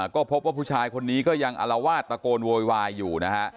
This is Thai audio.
ก็พบว่าผู้ชายคนนี้ก็ยังอลวาดตะโกนโวยวายอยู่นะฮะ